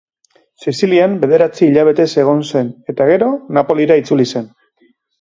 Sizilian bederatzi hilabetez egon eta gero, Napolira itzuli zen.